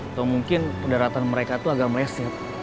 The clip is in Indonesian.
atau mungkin pendaratan mereka itu agak meleset